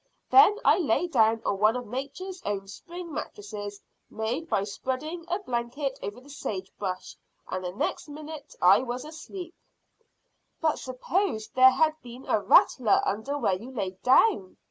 Then I lay down on one of nature's own spring mattresses, made by spreading a blanket over the sage brush, and the next minute I was asleep." "But suppose there had been a rattler under where you lay down?"